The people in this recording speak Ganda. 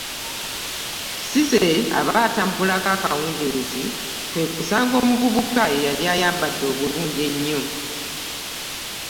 Cissy aba atambulako akawungeezi kwe kusanga omuvubuka eyali ayambadde obulungi ennyo.